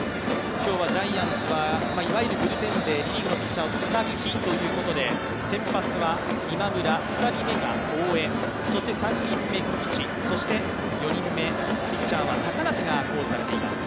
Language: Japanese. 今日はジャイアンツはいわゆるブルペンでリリーフのピッチャーをつなぐ日ということで、先発は今村、２人目が大江、そして３人目菊地、４人目、ピッチャーは高梨がコールされています。